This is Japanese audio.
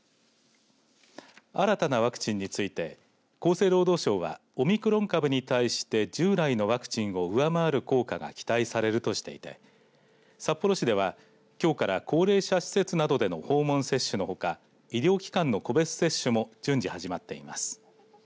新たなワクチンについて厚生労働省はオミクロン株に対して従来のワクチンを上回る効果が期待されるとしていて札幌市では、きょうから高齢者施設などでの訪問接種のほか医療機関の個別接種も順次、始まっています。